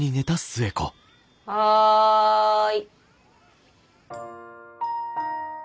はい。